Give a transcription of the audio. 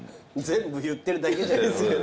全部言ってるだけじゃ。